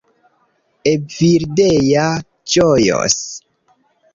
Evildea ĝojos